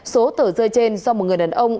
số tờ rơi trên do một người đàn ông